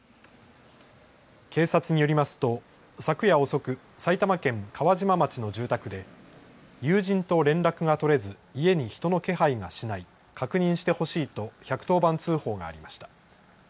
警察によりますと昨夜遅く埼玉県川島町の住宅で友人と連絡が取れず家に人の気配がしない確認してほしいと１１０番通報がありました。